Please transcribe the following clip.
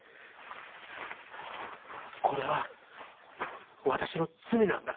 これは私の罪なんだ。